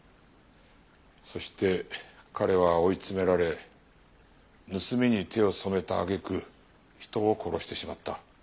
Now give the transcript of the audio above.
そして彼は追い詰められ盗みに手を染めた揚げ句人を殺してしまった。